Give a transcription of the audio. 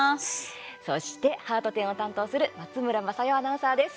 そして、ハート展を担当する松村正代アナウンサーです。